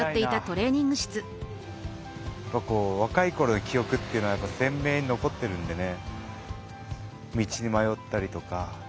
若いころの記憶っていうのは鮮明に残ってるんでね。